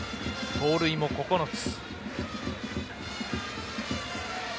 盗塁も９つ。